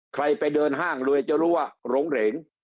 ใครไปเดินห้างรวยจะรู้ว่าหลงเหรง